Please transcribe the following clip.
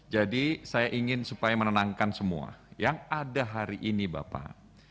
jadi saya ingin supaya menenangkan semua yang ada hari ini bapak